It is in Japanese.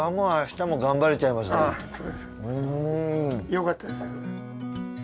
よかったです。